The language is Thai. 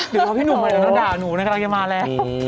เดี๋ยวพี่หนุ่มก็ได้ด่าหนูนะครับยังมาแล้ว